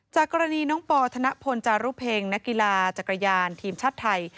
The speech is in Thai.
กรณีน้องปอธนพลจารุเพ็งนักกีฬาจักรยานทีมชาติไทย